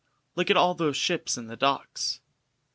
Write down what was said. Look at all those ships in the docks!